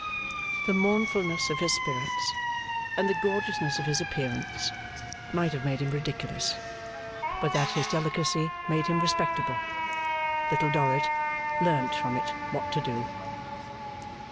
The mournfulness of his spirits, and the gorgeousness of his appearance, might have made him ridiculous, but that his delicacy made him respectable. Little Dorrit learnt from it what to do.